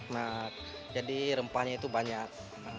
nah jadi rempahnya itu banyak